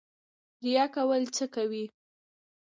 ریا کول څه کوي؟